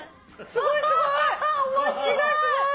すごいすごい。